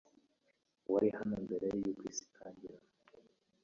Wari hano mbere yuko isi itangira